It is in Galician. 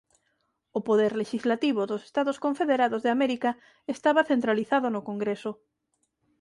O poder lexislativo dos Estados Confederados de América estaba centralizado no Congreso.